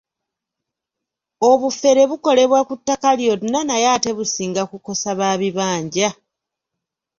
Obufere bukolebwa ku ttaka lyonna naye ate businga kukosa ba bibanja.